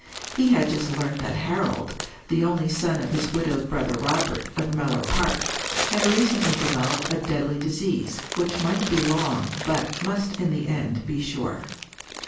He had just learnt that Harold, the only son of his widowed brother Robert, of Mellor Park, had recently developed a deadly disease, which might be long, but must in the end be sure.